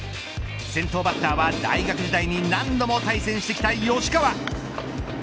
先頭バッターは大学時代に何度も対戦してきた吉川。